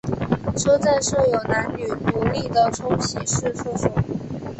车站设有男女独立的冲洗式厕所。